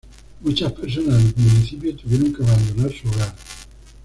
Muchas personas del municipio tuvieron que abandonar su hogar.